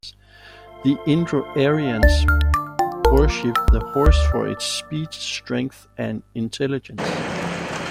The Indo-Aryans worshipped the horse for its speed, strength, and intelligence.